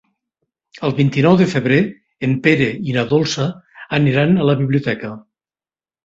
El vint-i-nou de febrer en Pere i na Dolça aniran a la biblioteca.